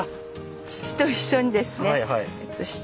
父と一緒にですね写して。